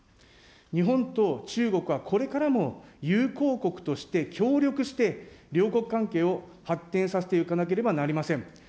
日本と中国はこれからも友好国として協力して両国関係を発展させていかなければなりません。